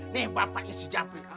nih bapaknya si japri